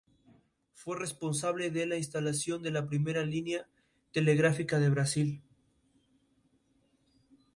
Fue responsable de la instalación de la primera línea telegráfica del Brasil.